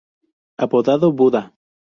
Apodado "Buda".